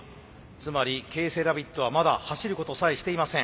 つまりＫセラビットはまだ走ることさえしていません。